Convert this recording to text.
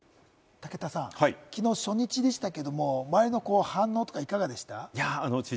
武田さん、昨日、初日でしたけれども周りの反応とかいかがでしたか？